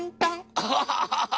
アハハハ！